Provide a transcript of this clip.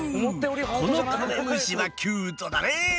このカメムシはキュートだね！